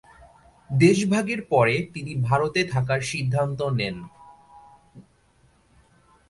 দেশভাগের পরে তিনি ভারতে থাকার সিদ্ধান্ত নেন।